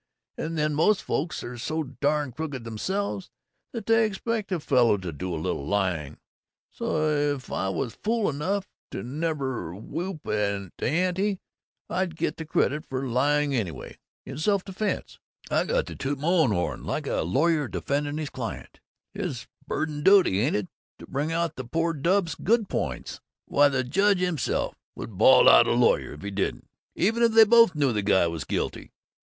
And then most folks are so darn crooked themselves that they expect a fellow to do a little lying, so if I was fool enough to never whoop the ante I'd get the credit for lying anyway! In self defense I got to toot my own horn, like a lawyer defending a client his bounden duty, ain't it, to bring out the poor dub's good points? Why, the Judge himself would bawl out a lawyer that didn't, even if they both knew the guy was guilty!